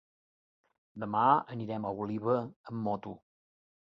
Demà anirem a Oliva amb moto.